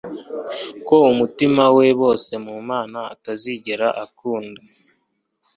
ko umutima we, bose mu mana, utazigera unkunda